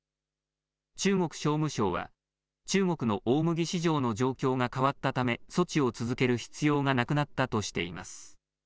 中国商務省は中国の大麦市場の状況が変わったため措置を続ける必要がなくなったとしています。